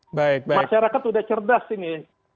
masyarakat udah cerdas ini